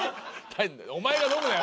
お前が飲むなよまだ！